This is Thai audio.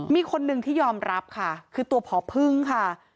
มีคนหนึ่งที่ยอมรับค่ะคือตัวผอพึ่งค่ะ